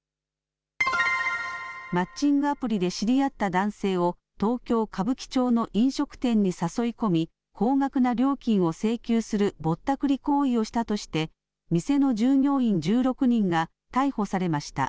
マッチングアプリで知り合った男性を東京歌舞伎町の飲食店に誘い込み高額な料金を請求するぼったくり行為をしたとして店の従業員１６人が逮捕されました。